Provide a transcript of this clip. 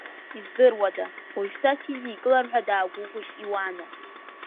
Издыруада, уажәшьҭа сидикылар ҳәа даагәыӷит Иуана.